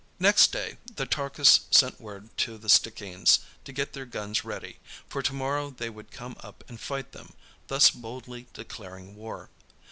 Next day the Takus sent word to the Stickeens to get their guns ready, for to morrow they would come up and fight them, thus boldly declaring war.